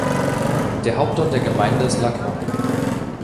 Der Hauptort der Gemeinde ist La Croix.